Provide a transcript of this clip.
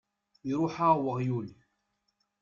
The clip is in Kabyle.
Iṛuḥ-aɣ uɣyul!